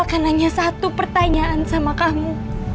aku akan nanya satu pertanyaan sama kamu